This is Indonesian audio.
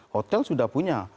hotel sudah punya